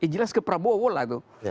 jelas ke prabowo lah itu